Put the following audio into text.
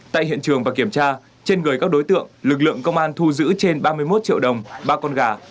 tại hiện trường và kiểm tra trên người các đối tượng lực lượng công an thu giữ trên ba mươi một triệu đồng ba con gà